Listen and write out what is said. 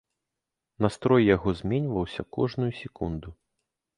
Настрой яго зменьваўся кожную секунду.